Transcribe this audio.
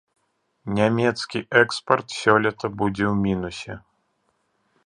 Нямецкі экспарт сёлета будзе ў мінусе.